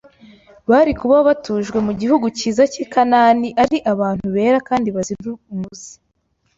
Bari kuba baratujwe mu gihugu cyiza cy’i Kanani ari bantu bera kandi bazira umuze,